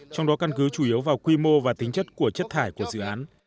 trong đó căn cứ chủ yếu vào quy mô và tính chất của chất thải của dự án